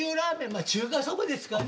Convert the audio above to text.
まあ中華そばですかね。